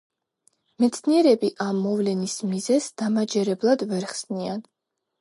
მეცნიერები ამ მოვლენის მიზეზს დამაჯერებლად ვერ ხსნიან.